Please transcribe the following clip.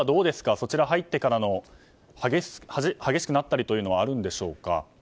そちらに入ってから激しくなったりはあるんでしょうか。